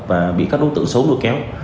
và bị các đối tượng xấu đuổi kéo